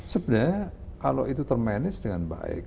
sebenarnya kalau itu ter manage dengan baik